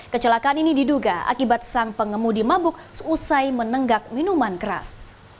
kecelakaan ini diduga akibat sang pengemudi mabuk seusai menenggak minuman keras